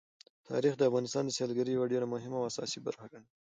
تاریخ د افغانستان د سیلګرۍ یوه ډېره مهمه او اساسي برخه ګڼل کېږي.